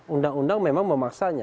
undang undang memang memaksanya